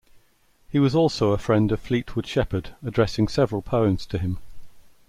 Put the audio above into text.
He was also a friend of Fleetwood Shepheard, addressing several poems to him.